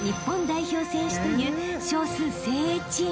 ［少数精鋭チーム］